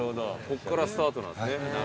こっからスタートなんですね。